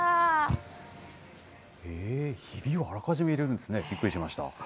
ひびをあらかじめ入れるんですね。びっくりしました。